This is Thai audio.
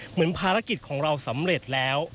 เหมือนภารกิจของเราสำเร็จแล้ว